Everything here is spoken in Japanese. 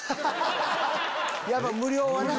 やっぱ無料はな。